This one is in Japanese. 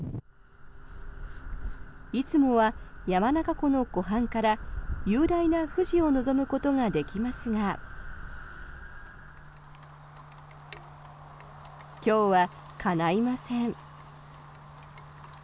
いつもは山中湖の湖畔から雄大な富士を望むことができますが今日はかないません。